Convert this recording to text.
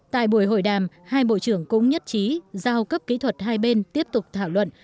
tại buổi hội đàm hai bộ trưởng cũng nhất trí giao cấp kỹ thuật hai bên tiếp tục thảo luận